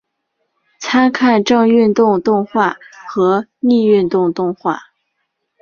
参看正运动动画和逆运动动画。